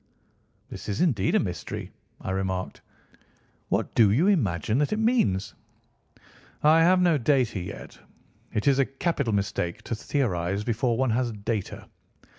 "This is indeed a mystery," I remarked. "What do you imagine that it means?" "I have no data yet. It is a capital mistake to theorise before one has data.